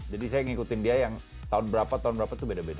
jadi saya ngikutin dia yang tahun berapa tahun berapa tuh beda beda